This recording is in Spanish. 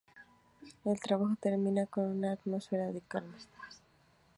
El trabajo termina con una atmósfera de calma.